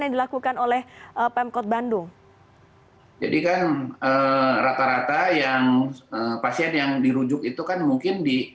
yang dilakukan oleh pemkot bandung jadikan rata rata yang pasien yang dirujuk itu kan mungkin di